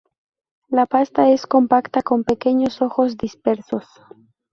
La pasta es compacta, con pequeños ojos dispersos.